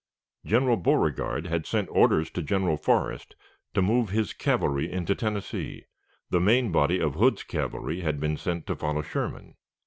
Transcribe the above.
General Beauregard had sent orders to General Forrest to move with his cavalry into Tennessee; the main body of Hood's cavalry had been sent to follow Sherman.